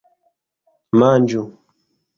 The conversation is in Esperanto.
Manĝu!